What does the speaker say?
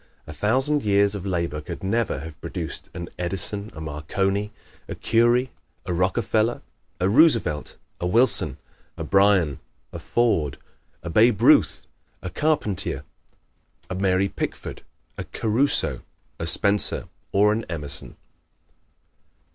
A thousand years of labor could never have produced an Edison, a Marconi, a Curie, a Rockefeller, a Roosevelt, a Wilson, a Bryan, a Ford, a Babe Ruth, a Carpentier, a Mary Pickford, a Caruso, a Spencer or an Emerson.